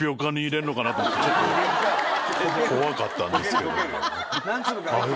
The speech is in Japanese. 怖かったんですけども。